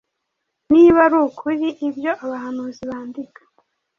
Niba ari ukuri, ibyo Abahanuzi bandika,